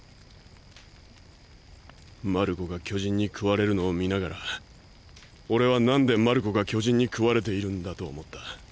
マルコが巨人に食われるのを見ながら俺は何でマルコが巨人に食われているんだと思った。